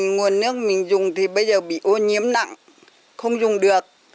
nguồn nước mình dùng thì bây giờ bị ô nhiễm nặng không dùng được